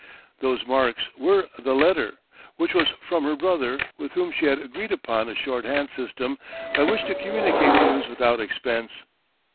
Those marks were the letter, which was from her brother, with whom she had agreed upon a short hand system by which to communicate news without expense.